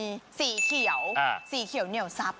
มีสีเขียวเหนียวทรัพย์